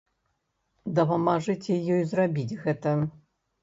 Дапамажыце ёй зрабіць гэта!